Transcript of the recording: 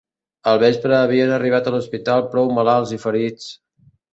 Al vespre, havien arribat a l'hospital prou malalts i ferits